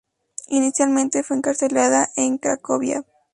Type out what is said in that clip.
Inicialmente fue encarcelado en Cracovia.